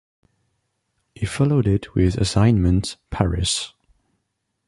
He followed it with Assignment - Paris!